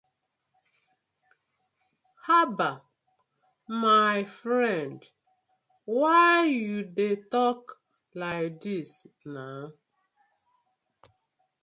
Habbah my friend why yu dey tok like dis na.